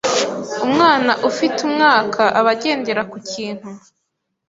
Umwana ufite umwaka aba agendera ku kintu.